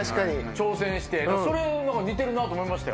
挑戦してそれ何か似てるなと思いましたよ。